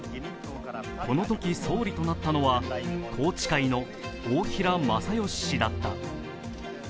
このとき、総理となったのは宏池会の大平正芳氏だった。